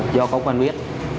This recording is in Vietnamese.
do có quán viết